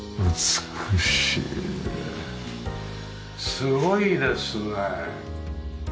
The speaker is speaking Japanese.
すごいですね。